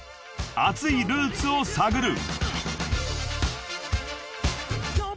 ［熱いルーツを探る］